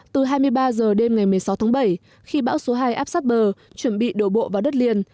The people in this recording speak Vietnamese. từ hai mươi ba h đêm ngày một mươi sáu tháng bảy khi bão số hai áp sát bờ chuẩn bị đổ bộ vào đất liền